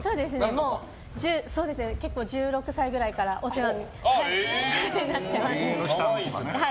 もう１６歳ぐらいからお世話になっています。